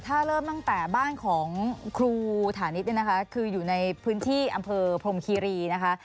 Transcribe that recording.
ถ้าเริ่มตั้งแต่บ้านของครูฐานิตเนี่ยนะคะคืออยู่ในพื้นที่อำเภอพรมคีรีนะคะ